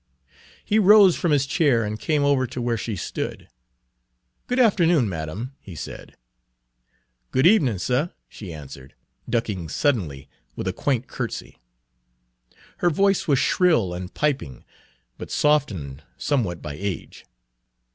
He rose from his chair and came over to where she stood. "Good afternoon, madam," he said. "Good evenin', suh" she answered, ducking suddenly with a quaint curtsy. Her voice was shrill and piping, but softened somewhat by age.